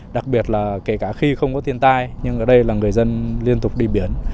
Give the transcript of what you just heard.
đặc biệt là kể cả khi không có thiên tai nhưng ở đây là người dân liên tục đi biển